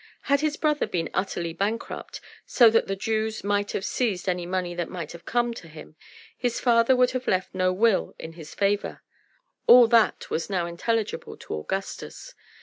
Had his brother been utterly bankrupt, so that the Jews might have seized any money that might have come to him, his father would have left no will in his favor. All that was now intelligible to Augustus.